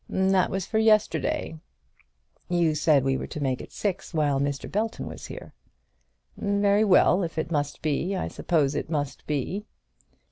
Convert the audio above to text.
"That was for yesterday." "You said we were to make it six while Mr. Belton was here." "Very well; if it must be, I suppose it must be."